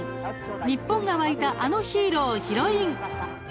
日本が沸いたあのヒーロー、ヒロイン。